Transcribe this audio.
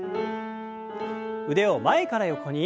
腕を前から横に。